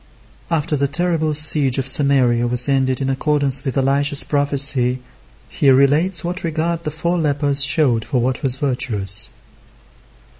After the terrible siege of Samaria was ended in accordance with Elisha's prophecy, he relates what regard the four lepers showed for what was virtuous.